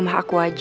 udah ke kamar dulu